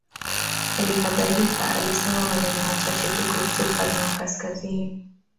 Hali kadhalika alisema maneno machache tu kuhusu ufalme wa kaskazini.